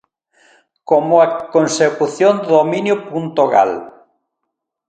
Como a consecución do dominio puntogal.